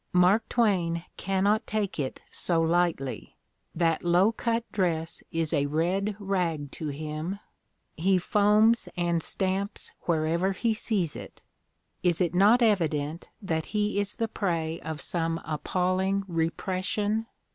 Mark Twain cannot take it so lightly : that low cut dress is a red rag to him; he foams and stamps wherever he sees it. Is it not evident that he is the prey of some appalling repression?